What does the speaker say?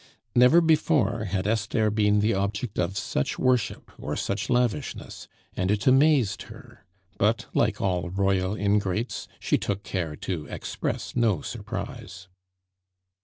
Never before had Esther been the object of such worship or such lavishness, and it amazed her; but, like all royal ingrates, she took care to express no surprise.